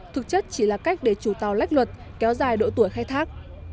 thực chất chỉ là cách để chủ tàu lách luật kéo dài độ tuổi khai thác